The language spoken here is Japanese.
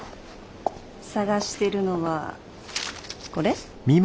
探してるのはこれ？